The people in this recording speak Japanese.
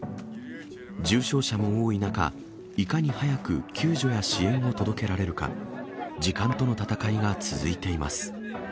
重傷者も多い中、いかに早く救助や支援を届けられるか、時間との闘いが続いています。